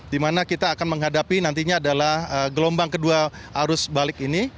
di mana kita akan menghadapi nantinya adalah gelombang kedua arus balik ini